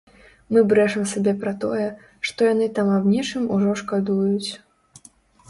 Мы брэшам сабе пра тое, што яны там аб нечым ужо шкадуюць.